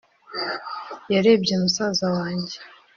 narebye musaza wanjye